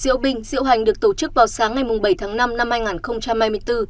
diệu bình diệu hành được tổ chức vào sáng ngày bảy tháng năm năm hai nghìn hai mươi bốn